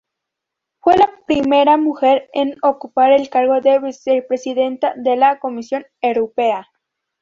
Fue la primera mujer en ocupar el cargo de Vicepresidenta de la Comisión Europea.